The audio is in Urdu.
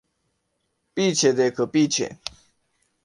سامنے دیکھئے